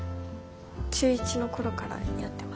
中１の頃からやってます。